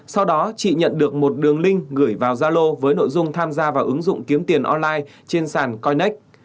sau đó chị nhận được một đường link gửi vào gia lô với nội dung tham gia vào ứng dụng kiếm tiền online trên sàn coinex